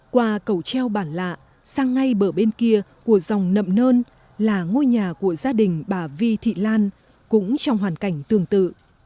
qua cầu treo bản lạ sang ngay bờ bên kia của dòng nậm nơn là ngôi nhà của gia đình bà vi thị lan cũng trong hoàn cảnh tương tự